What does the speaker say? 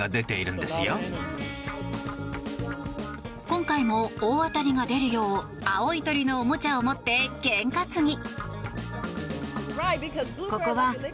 今回も大当たりが出るよう青い鳥のおもちゃを持って験担ぎ。